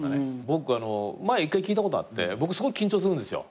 僕前１回聞いたことあって僕すごい緊張するんですよ。